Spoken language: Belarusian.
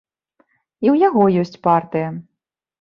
І ў яго ёсць партыя.